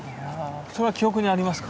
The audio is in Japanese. それは記憶にありますか？